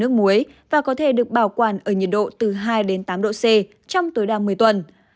nước muối và có thể được bảo quản ở nhiệt độ từ hai đến tám độ c trong tối đa một mươi tuần